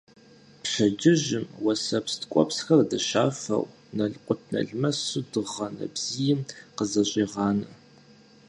Пщэдджыжьым уэсэпс ткӀуэпсхэр дыщафэу, налкъутналмэсу дыгъэ нэбзийм къызэщӀегъанэ.